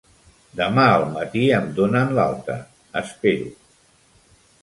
Demà al matí em donen l'alta, espero.